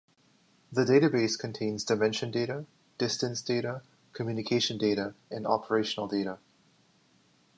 The database contains dimension data, distance data, communication data and operational data.